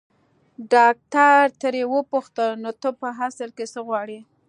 ډاکټر ترې وپوښتل نو ته په اصل کې څه غواړې.